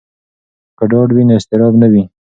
که ډاډ وي نو اضطراب نه وي.